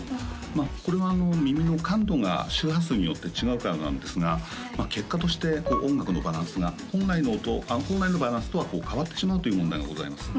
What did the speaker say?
まあこれは耳の感度が周波数によって違うからなんですが結果として音楽のバランスが本来の音本来のバランスとは変わってしまうという問題がございます